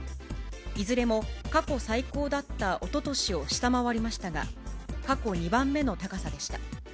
いずれも過去最高だったおととしを下回りましたが、過去２番目の高さでした。